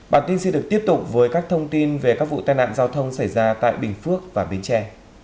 bản tin sẽ được tiếp tục với các thông tin về các vụ tai nạn giao thông xảy ra tại bình phước và bến tre